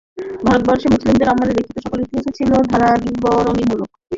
ভারতবর্ষে মুসলিম আমলে লিখিত সকল ইতিহাসই ছিল ধারাবিবরণীমূলক।